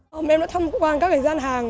hôm em đã thăm quan các gian hàng